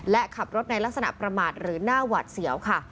และขับรถในลักษณะประมาทหรือหน้าหวัดเสียวค่ะ